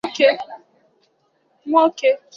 Nwoke